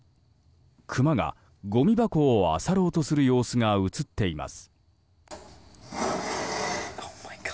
クマがごみ箱をあさろうとする様子が映っています。